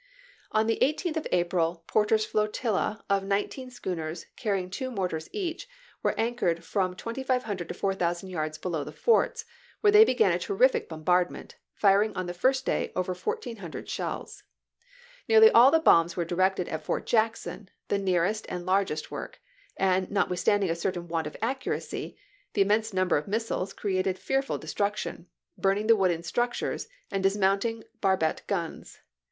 On the 18th of April Porter's flotilla of nineteen schooners, carrying two mortars each, were anch ored from 2500 to 4000 yards below the forts, where they began a terrific bombardment, firing on the first day over 1400 shells. Nearly all the bombs were directed at Fort Jackson, the nearest and largest work ; and, notwithstanding a certain want of accm*acy, the immense number of missiles created fearful destruction, burning the wooden structures and dismounting barbette guns.